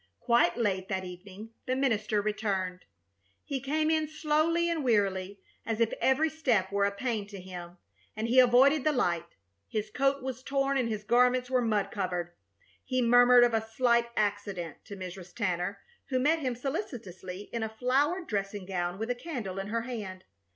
Quite late that evening the minister returned. He came in slowly and wearily, as if every step were a pain to him, and he avoided the light. His coat was torn and his garments were mud covered. He murmured of a "slight accident" to Mrs. Tanner, who met him solicitously in a flowered dressing gown with a candle in her hand.